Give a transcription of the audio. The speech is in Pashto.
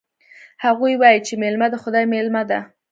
هغوی وایي چې میلمه د خدای مېلمه ده